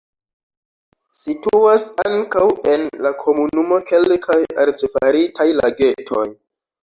Situas ankaŭ en la komunumo kelkaj artefaritaj lagetoj.